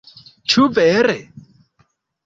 Ĉu vere?!